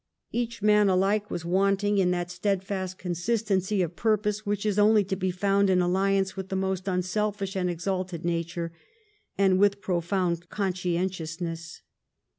Each man alike was wanting in that steadfast consistency of purpose which is only to be found in alliance with the most unselfish and exalted nature, and with profound con scientiousness.